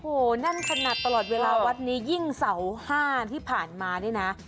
โอ้โหแน่นขนาดตลอดเวลาวัดนี้ยิ่งเสาห้าที่ผ่านมานี่นะ